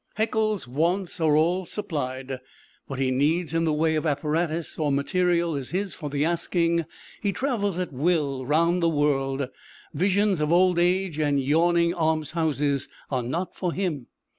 Haeckel's wants are all supplied; what he needs in the way of apparatus or material is his for the asking; he travels at will the round world over; visions of old age and yawning almshouses are not for him.